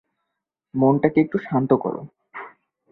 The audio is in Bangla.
মনটাকে একটু শান্ত করো।